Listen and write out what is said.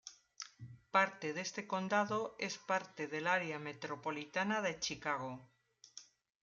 Parte de este condado es parte del área metropolitana de Chicago.